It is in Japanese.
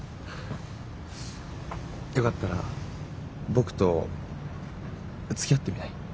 よかったら僕とつきあってみない？